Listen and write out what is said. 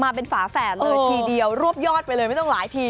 มาเป็นฝาแฝดเลยทีเดียวรวบยอดไปเลยไม่ต้องหลายที